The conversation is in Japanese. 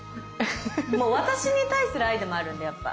もう私に対する愛でもあるんでやっぱ。